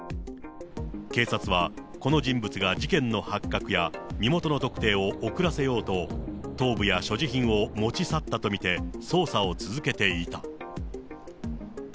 警察は、この人物が事件の発覚や身元の特定を遅らせようと、頭部や所持品を持ち去ったと見て、捜査を続けていた。